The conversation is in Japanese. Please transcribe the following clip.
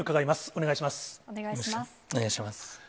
お願いします。